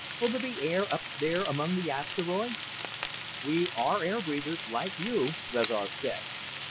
"Will there be air up there among the asteroids?" "We are air breathers like you," Rezar said.